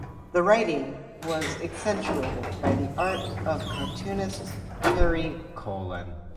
The writing was accentuated by the art of cartoonist Terry Colon.